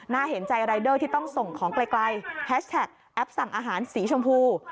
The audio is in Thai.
เห็นใจรายเดอร์ที่ต้องส่งของไกลแฮชแท็กแอปสั่งอาหารสีชมพู